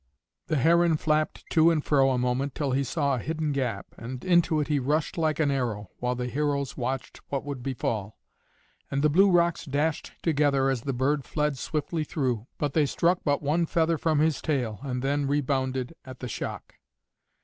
The heron flapped to and fro a moment till he saw a hidden gap, and into it he rushed like an arrow, while the heroes watched what would befall. And the blue rocks dashed together as the bird fled swiftly through, but they struck but one feather from his tail, and then rebounded at the shock.